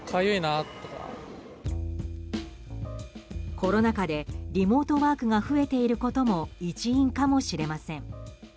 コロナ禍でリモートワークが増えていることも一因かもしれません。